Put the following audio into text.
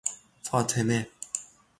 فاطمه